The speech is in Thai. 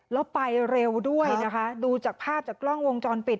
แล้วไปเร็วด้วยนะคะดูจากภาพจากกล้องวงจรปิด